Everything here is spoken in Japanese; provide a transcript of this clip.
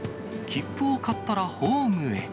切符を買ったら、ホームへ。